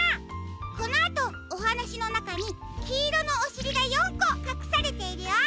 このあとおはなしのなかにきいろのおしりが４こかくされているよ。